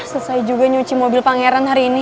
selesai juga nyuci mobil pangeran hari ini